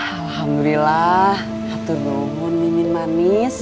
alhamdulillah hatur dongun mimin manis